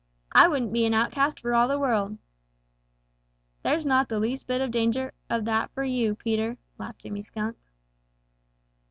I wouldn't be an outcast for all the world." "There's not the least bit of danger of that for you, Peter," laughed Jimmy Skunk.